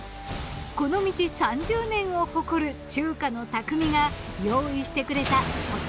この道３０年を誇る中華の匠が用意してくれたザンッ！